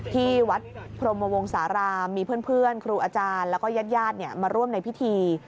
ที่วัดพรมวงศาลามมีเพื่อนครูอาจารย์แล้วก็ญาติญาติมาร่วมในพิธี